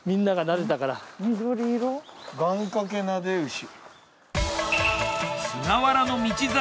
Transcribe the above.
願かけなで牛。